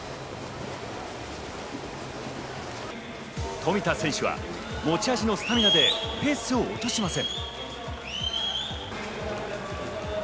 富田選手は持ち味のスタミナでペースを落としません。